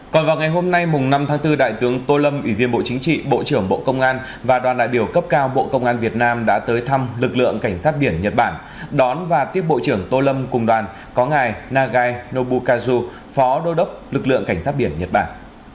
còn vào ngày hôm nay năm tháng bốn đại tướng tô lâm ủy viên bộ chính trị bộ trưởng bộ công an và đoàn đại biểu cấp cao bộ công an việt nam đã tới thăm lực lượng cảnh sát biển nhật bản đón và tiếp bộ trưởng tô lâm cùng đoàn có ngài nagabukazu phó đô đốc lực lượng cảnh sát biển nhật bản